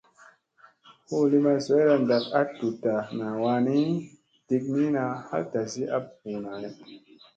Huu lima zoyra ɗak a ɗuɗta na wanni, ɗiknina haal tasi a ɓuuna hay.